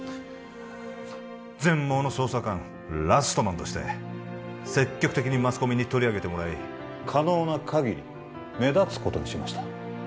全盲の捜査官ラストマンとして積極的にマスコミに取り上げてもらい可能な限り目立つことにしました